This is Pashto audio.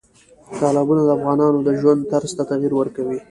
تالابونه د افغانانو د ژوند طرز ته تغیر ورکوي.